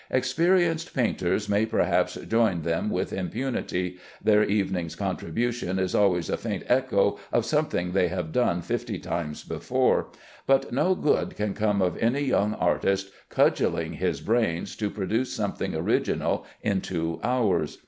Experienced painters may perhaps join them with impunity; their evening's contribution is always a faint echo of something they have done fifty times before, but no good can come of any young artist cudgelling his brains to produce something original in two hours.